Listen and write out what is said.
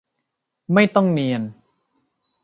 ไม่ต้องเนียน